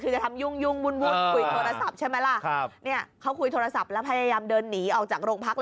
คือจะทำยุ่งวุ่นคุยโทรศัพท์ใช่ไหมล่ะเค้าคุยโทรศัพท์แล้วพยายามเดินหนีออกจากโรงพัก